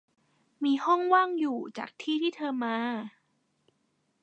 มีห้องว่างอยู่จากที่ที่เธอมา